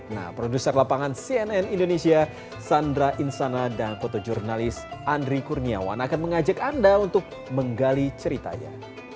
nah produser lapangan cnn indonesia sandra insana dan fotojurnalis andri kurniawan akan mengajak anda untuk menggali ceritanya